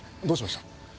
どうしました？